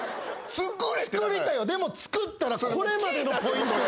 作りたいよでも作ったらこれまでのポイントが。